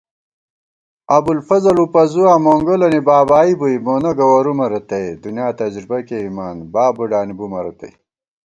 ابُوالفضل وُپَزُواں مونگولَنی بابائی بُوئی مونہ گوَرُومہ رتئ * دُنیا تجربہ کېئیمان باب بُڈانی بُمہ رتئ